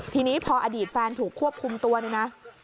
ทีนี้พออดีตแฟนถูกควบคุมตัวเนี่ยนะ